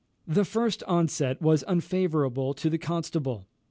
The first onset was unfavourable to the Constable.